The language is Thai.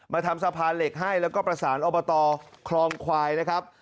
ทำสะพานเหล็กให้แล้วก็ประสานอบตคลองควายนะครับ